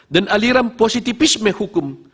aliran positifisme hukum